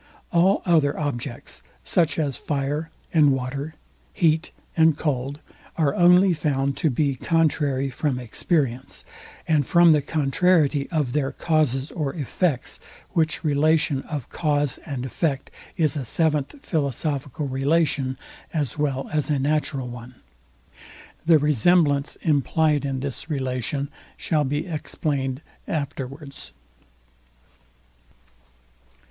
(7) All other objects, such as fire and water, heat and cold, are only found to be contrary from experience, and from the contrariety of their causes or effects; which relation of cause and effect is a seventh philosophical relation, as well as a natural one. The resemblance implied in this relation, shall be explained afterwards.